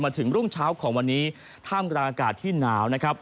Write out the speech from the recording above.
ถึงรุ่งเช้าของวันนี้ท่ามกลางอากาศที่หนาวนะครับ